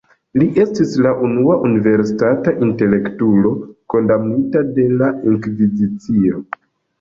Li estis la unua universitata intelektulo kondamnita de la Inkvizicio.